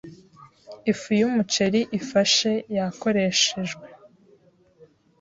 ifu y'umuceri ifashe yakoreshejwe